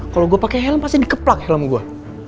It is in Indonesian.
kalau gue pakai helm pasti dikeplak helm gue